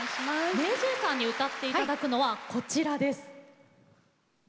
ＭａｙＪ．さんに歌っていただくのは、こちらです。